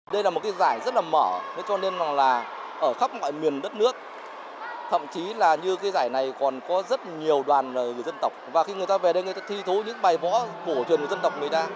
đây là một cái giải rất là mở cho nên là ở khắp mọi miền đất nước thậm chí là như cái giải này còn có rất nhiều đoàn người dân tộc và khi người ta về đây người ta thi thú những bài võ cổ truyền của dân tộc người ta